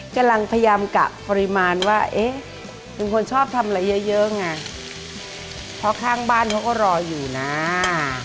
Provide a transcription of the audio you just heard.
กำลังพยายามกะปริมาณว่าเอ๊ะเป็นคนชอบทำอะไรเยอะเยอะไงเพราะข้างบ้านเขาก็รออยู่นะ